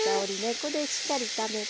ここでしっかり炒めて。